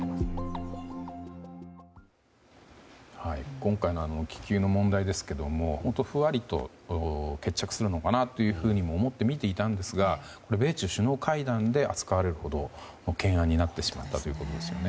今回の気球の問題ですがふわりと決着するのかなと見てはいたんですが米中首脳会談で扱われるほどの懸案になってしまったということです。